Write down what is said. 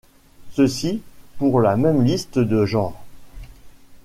Ceci pour la même liste de genres.